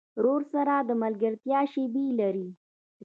ورور سره د ملګرتیا شیبې لرې.